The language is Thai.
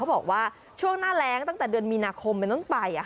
เขาบอกว่าช่วงน่าแร้งตั้งแต่เดือนมีนาคมแม่นาร่ไป